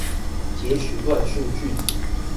擷取亂數句子